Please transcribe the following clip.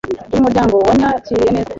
Uyu muryango wanyakiriye neza.